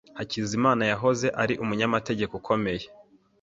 Hakizimana yahoze ari umunyamategeko ukomeye.